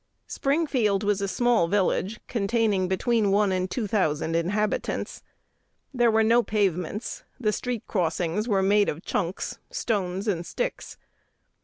Springfield was a small village, containing between one and two thousand inhabitants. There were no pavements: the street crossings were made of "chunks," stones, and sticks.